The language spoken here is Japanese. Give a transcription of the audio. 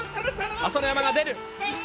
朝乃山が出る。